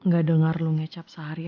gak dengar lo ngecap sehari aja